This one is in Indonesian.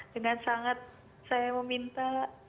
dengan sangat saya meminta